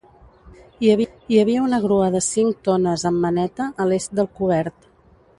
Hi havia una grua de cinc tones amb maneta a l'est del cobert.